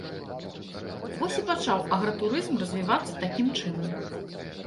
Вось і пачаў агратурызм развівацца такім чынам.